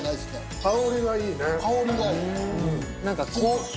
香りがいい！